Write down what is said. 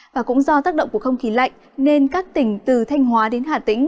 và cũng do tác động của không khí lạnh nên các tỉnh từ thanh hóa đến hà tĩnh